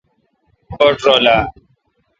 بٹ رل آ